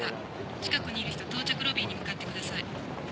近くにいる人到着ロビーに向かってください。